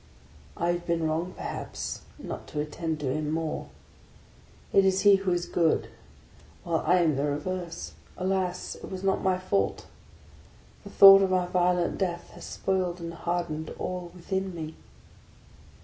I have been wrong, perhaps, not to attend to him more; it is he who is good, while I am the reverse. Alas ! it was not my fault. The thought of my violent death has spoiled and hardened all within me.